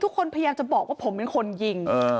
พยายามจะบอกว่าผมเป็นคนยิง